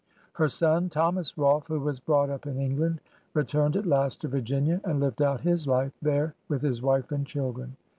Her son, Thomas Rolfe, who was brought up in England, returned at last to Virginia and lived out his life there with his wife and children.